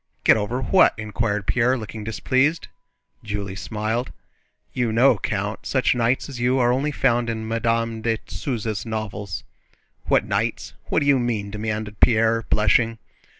"Get over what?" inquired Pierre, looking displeased. Julie smiled. "You know, Count, such knights as you are only found in Madame de Souza's novels." "What knights? What do you mean?" demanded Pierre, blushing.